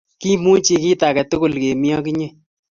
kimuchi kit akatugul kemi ak inye